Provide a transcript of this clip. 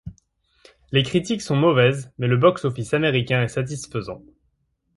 Les critiques sont mauvaises, mais le box-office américain est satisfaisant.